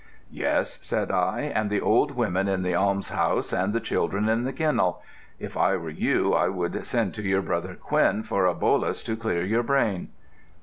'Yes,' said I, 'and the old women in the almshouse and the children in the kennel. If I were you, I would send to your brother Quinn for a bolus to clear your brain.'